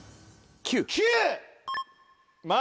９！